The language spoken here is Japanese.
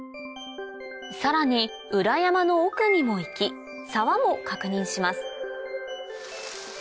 さらに裏山の奥にも行き沢も確認します